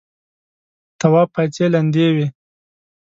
تواب پايڅې لندې وې.